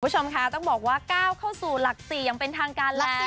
คุณผู้ชมค่ะต้องบอกว่าก้าวเข้าสู่หลัก๔อย่างเป็นทางการแล้ว